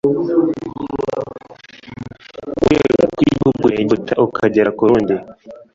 urwego rw igihugu cya egiputa ukagera ku rundi